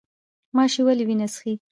ماشی ولې وینه څښي؟